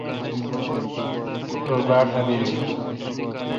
رو باڑ اعبیری۔